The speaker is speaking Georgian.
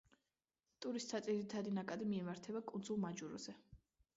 ტურისტთა ძირითადი ნაკადი მიემართება კუნძულ მაჯუროზე.